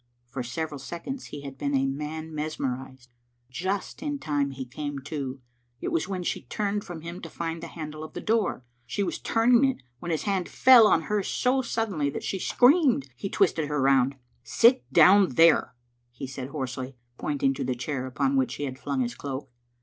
For several seconds he had been as a man mes merised. Just in time he came to. It was when she turned from him to find the handle of the door. She was turn ing it when his hand fell on hers so suddenly that she screamed. He twisted her round, "Sit down there," he said hoarsely, pointing to the chair upon which he had flung his cloak.